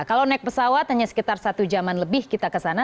kalau naik pesawat hanya sekitar satu jaman lebih kita ke sana